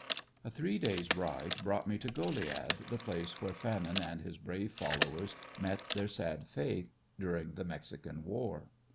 A three days' ride brought me to Goliad, the place where Fannin and his brave followers met their sad fate during the Mexican war.